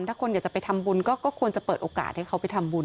ถ้าคนอยากจะไปทำบุญก็ควรจะเปิดโอกาสให้เขาไปทำบุญ